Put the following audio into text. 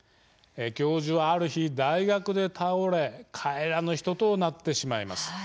教授は、ある日、大学で倒れ帰らぬ人となってしまいます。